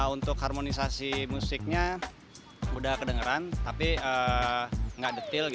untuk harmonisasi musiknya mudah kedengeran tapi tidak detil